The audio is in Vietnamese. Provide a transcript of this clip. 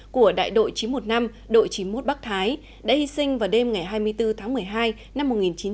của đại đội chín trăm một mươi năm đội chín mươi một bắc thái đã hy sinh vào đêm ngày hai mươi bốn tháng một mươi hai năm một nghìn chín trăm bảy mươi